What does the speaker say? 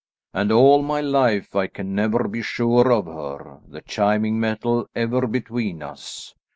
And all my life I can never be sure of her; the chiming metal ever between us.